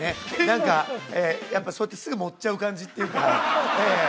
何かやっぱそうやってすぐ盛っちゃう感じっていうかええ